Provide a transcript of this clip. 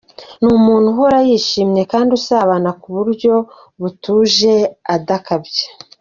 Ni umuntu uhora wishimye kandi usabana mu buryo butuje adakabya.